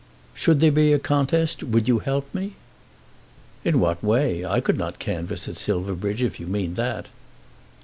"Should there be a contest, would you help me?" "In what way? I could not canvass at Silverbridge, if you mean that."